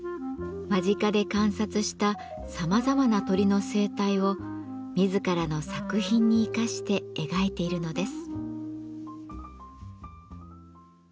間近で観察したさまざまな鳥の生態を自らの作品に生かして描いているのです。